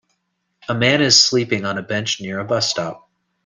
A man is sleeping on a bench near a bus stop.